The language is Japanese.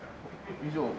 以上。